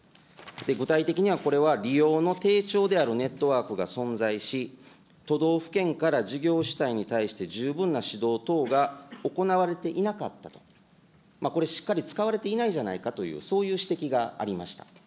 具体的には、これは利用の低調であるネットワークが存在し、都道府県から事業主体に対して、十分な指導等が行われていなかったと、これ、しっかり使われていないじゃないかという、そういう指摘がありました。